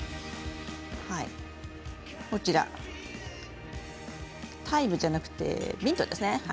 こちら、タイムじゃなくてミントですね。